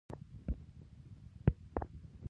وړومبي وړومبۍ وړومبنۍ